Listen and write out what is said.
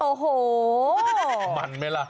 โอ้โหมันไหมล่ะ